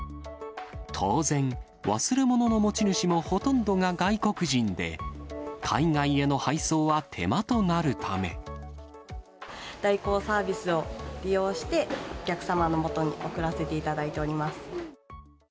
当然、忘れ物の持ち主もほとんどが外国人で、海外への配送は手間となる代行サービスを利用して、お客様のもとに送らせていただいております。